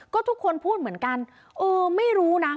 ก็ทุกคนพูดเหมือนกันเออไม่รู้นะ